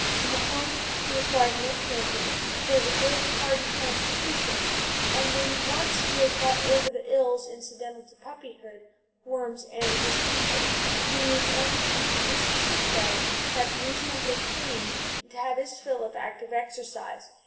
In the home he requires no pampering; he has a good, hardy constitution, and when once he has got over the ills incidental to puppyhood worms and distemper he needs only to be judiciously fed, kept reasonably clean, and to have his fill of active exercise.